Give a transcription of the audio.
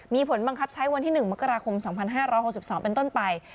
มีผลบังคับใช้วันที่๑มกราคม๒๕๖๒เป็นต้นไป